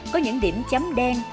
có những điểm chấm đen